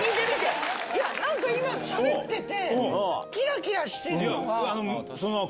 何か今しゃべっててキラキラしてるのが。